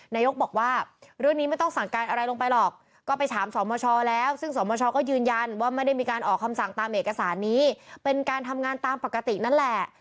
นายกบอกว่าเรื่องนี้ไม่ต้องสั่งการอะไรลงไปหรอกก็ไปถามสมชแล้วซึ่งสมชก็ยืนยันว่าไม่ได้มีการออกคำสั่งตามเอกสารนี้เป็นการทำงานตามปกตินั่นแหละ